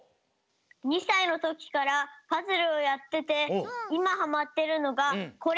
２さいのときからパズルをやってていまハマってるのがこれ！